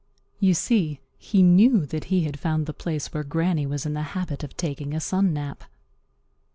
You see, he knew that he had found the place where Granny was in the habit of taking a sun nap.